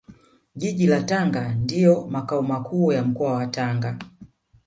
Jiji la Tanga ndio Makao Makuu ya Mkoa wa Tanga